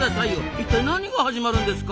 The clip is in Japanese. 一体何が始まるんですか？